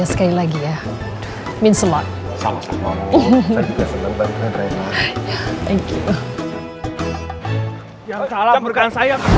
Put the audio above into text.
yang salah bukan saya